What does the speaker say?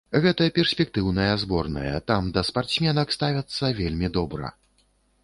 Гэта перспектыўная зборная, там да спартсменак ставяцца вельмі добра.